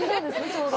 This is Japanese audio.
ちょうど。